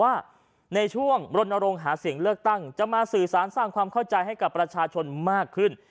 ว่าในช่วงรณรงค์หาเสียงเลือกตั้งจะมาสื่อสารสร้างความเข้าใจให้กับประชาชนมากขึ้น